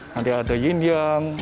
nanti ada yin yang